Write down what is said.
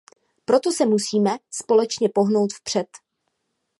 Proto se musíme společně pohnout vpřed.